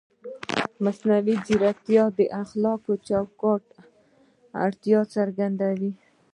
مصنوعي ځیرکتیا د اخلاقي چوکاټ اړتیا څرګندوي.